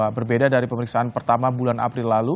berbeda dari pemeriksaan pertama bulan april lalu